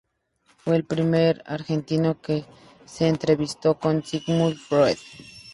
Fue el primer argentino que se entrevistó con Sigmund Freud.